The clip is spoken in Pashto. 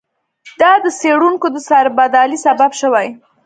دا د څېړونکو د سربدالۍ سبب شوی.